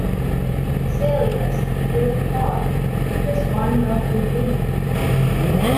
Celia's first thought was one of relief.